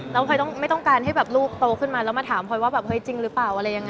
แล้วพลอยไม่ต้องการให้แบบลูกโตขึ้นมาแล้วมาถามพลอยว่าแบบเฮ้ยจริงหรือเปล่าอะไรยังไง